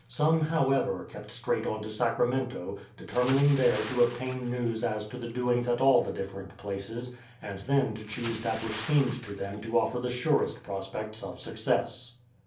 Some, however, kept straight on to Sacramento, determining there to obtain news as to the doings at all the different places, and then to choose that which seemed to them to offer the surest prospects of success.